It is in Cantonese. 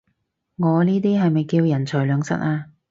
我呢啲係咪叫人財兩失啊？